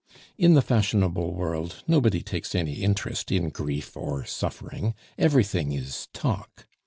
In the fashionable world nobody takes any interest in grief or suffering; everything is talk.